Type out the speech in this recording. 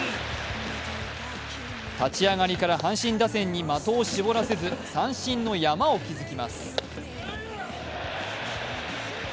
立ち上がりから阪神打線に的を絞らせず三振の山を築きます。